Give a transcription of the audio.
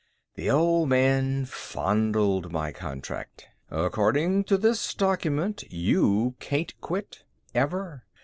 The Old Man fondled my contract. "According to this document, you can't quit. Ever.